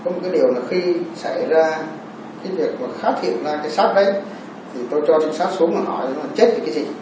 nói ra khi việc khám hiện ra cái sát đấy tôi cho sát xuống và hỏi là chết là cái gì